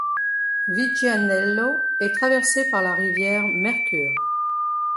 Viggianello est traversé par la rivière Mercure.